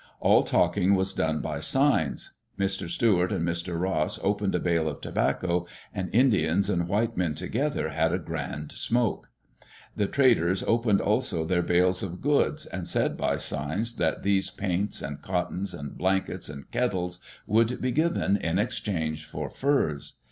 All talking was done by signs. Mr. Stuart and Mr. Ross opened a bale of tobacco, and Digitized by VjOOQ LC THAT "INDIAN" THIEF Indians and white men together had a grand smoke. The traders opened also their bale of goods, and said by signs that these paints and cottons and blankets and kettles would be given in exchange for furs.